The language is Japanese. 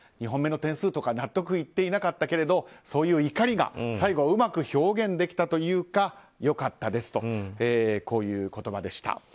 ２本目の点数とか納得いっていなかったけれどそういう怒りが最後、うまく表現できたというか良かったですという言葉でした。